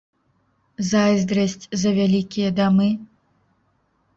Зайздрасць за вялікія дамы?